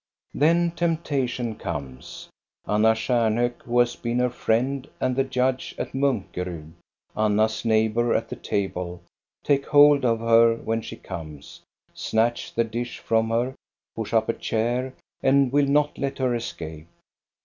Then temptation comes. Anna Stjarnhok, who has been her friend, and the judge at Munkerud, Anna's neighbor at the table, take hold of her when she comes, snatch the dish from her, push up a chair, and will not let her escape.